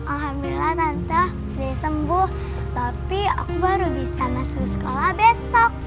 alhamdulillah nanta dia sembuh tapi aku baru bisa masuk sekolah besok